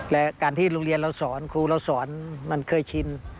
และการที่โรงเรียนเราสอนครูเราสอนมันเคยชิน